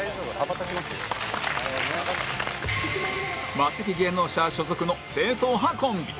マセキ芸能社所属の正統派コンビ